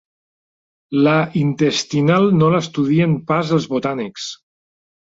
La intestinal no l'estudien pas els botànics.